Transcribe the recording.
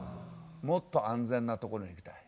もっと安全なところに行きたい。